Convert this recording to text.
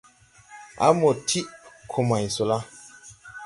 A mo tiʼ ko may so la.